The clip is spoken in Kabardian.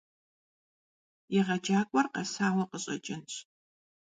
ЕгъэджакӀуэр къэсауэ къыщӀэкӀынщ.